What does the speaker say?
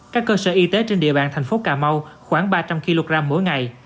các cơ sở y tế trên địa bàn thành phố cà mau khoảng ba trăm linh kg mỗi ngày